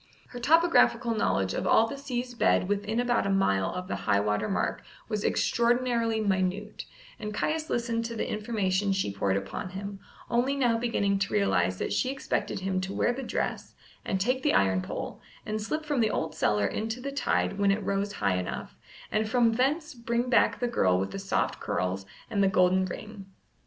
Her topographical knowledge of all the sea's bed within about a mile of the high water mark was extraordinarily minute, and Caius listened to the information she poured upon him, only now beginning to realize that she expected him to wear the dress, and take the iron pole, and slip from the old cellar into the tide when it rose high enough, and from thence bring back the girl with the soft curls and the golden ring.